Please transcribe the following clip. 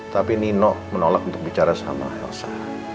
tapi nino menolak untuk bicara sama elsa